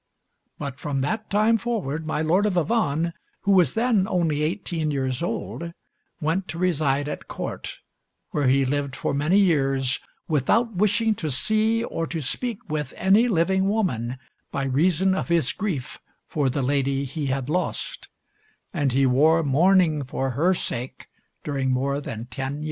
But from that time forward my Lord of Avannes, who was then only eighteen years old, went to reside at Court, where he lived for many years without wishing to see or to speak with any living woman by reason of his grief for the lady he had lost; and he wore mourning for her sake during more than ten years.